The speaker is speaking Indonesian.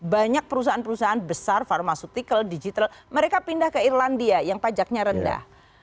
banyak perusahaan perusahaan besar pharmaceutical digital mereka pindah ke irlandia yang pajaknya rendah